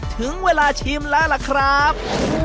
ถึงเวลาชิมแล้วล่ะครับ